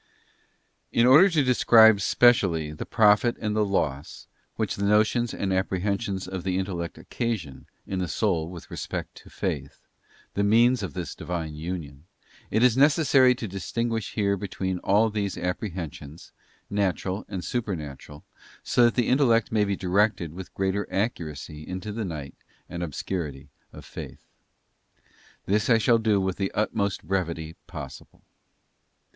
In order to describe specially the profit and the loss, which the notions and apprehensions of the intellect occasion in the 1 soul with respect to Faith, the means of this Divine union, hensions, natural and supernatural, so that the intellect may be directed with greater accuracy into the night and obscu rity of faith. This I shall do with the utmost brevity possible.